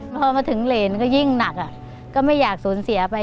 เพราะว่าถึงเลนยิ่งหนักนะก็ไม่อยากสูญเสียไป